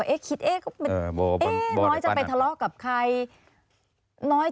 พ่อที่รู้ข่าวอยู่บ้าง